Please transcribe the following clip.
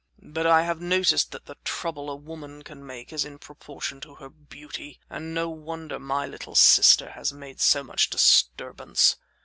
But I have noticed that the trouble a woman can make is in proportion to her beauty, and no wonder my little sister has made so much disturbance.